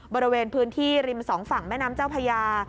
บริเวณพื้นที่ริมสองฝั่งแม่น้ำเจ้าพญา